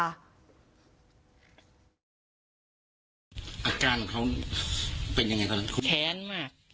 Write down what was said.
อาการของเขาเป็นยังไงครับ